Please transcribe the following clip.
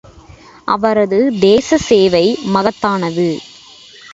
அவரது தேச சேவை மகத்தானது.